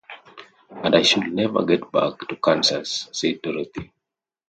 "And I should never get back to Kansas," said Dorothy.